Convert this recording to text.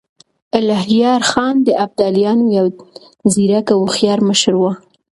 الهيار خان د ابدالیانو يو ځيرک او هوښیار مشر و.